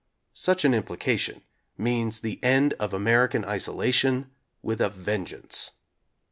Such an im plication means the "end of American isolation" with a vengeance.